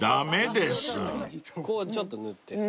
こうちょっと塗ってさ。